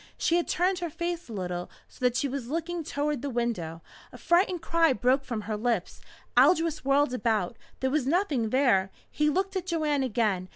She had turned her face a little, so that she was looking toward the window. A frightened cry broke from her lips. Aldous whirled about. There was nothing there. He looked at Joanne again.